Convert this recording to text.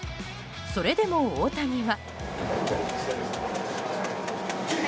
それでも大谷は。